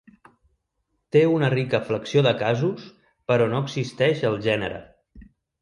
Té una rica flexió de casos però no existeix el gènere.